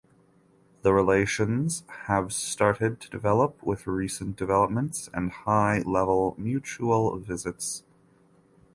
The relations have started to develop with recent developments and high level mutual visits.